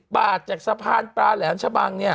บาทจากสะพานปลาแหลมชะบังเนี่ย